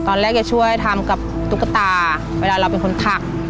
ตอนแรกจะช่วยทำกับตุ๊กตาเวลาเราเป็นคนถัก